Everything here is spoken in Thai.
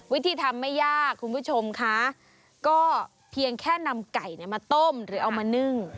วิธีทำไม่ยากคุณผู้ชมค่ะก็เพียงแค่นำไก่มาต้มหรือเอามานึ่ง